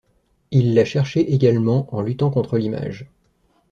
Il l’a cherchée également en luttant contre l’image.